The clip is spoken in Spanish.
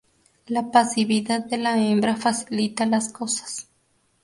La pasividad de la hembra facilita las cosas.